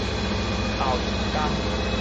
頭一工